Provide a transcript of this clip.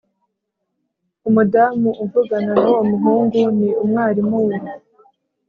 umudamu uvugana nuwo muhungu ni umwarimu we